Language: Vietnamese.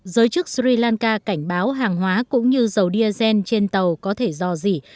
giới chức sri lanka cảnh báo hàng hóa cũng như dầu diazen trên tàu có thể do gì